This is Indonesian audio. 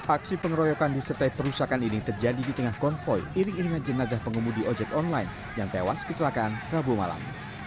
aksi pengeroyokan disertai perusakan ini terjadi di tengah konvoy iring iringan jenazah pengemudi ojek online yang tewas kecelakaan rabu malam